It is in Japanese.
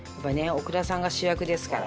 オクラさんが主役ですから。